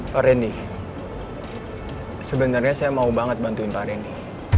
pak rendi sebenarnya saya mau banget bantuin pak rendi